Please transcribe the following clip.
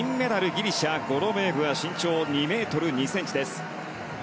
ギリシャ、ゴロメーブは身長２ｍ２ｃｍです。